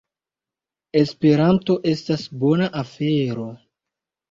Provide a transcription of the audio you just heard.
Esperanto estas bona afero!